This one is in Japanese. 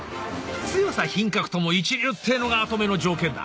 強さ品格とも一流ってぇのが跡目の条件だ。